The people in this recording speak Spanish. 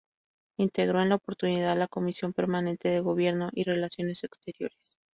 Integró en la oportunidad la comisión permanente de Gobierno y Relaciones Exteriores.